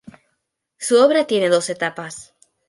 Su obra tiene dos etapas.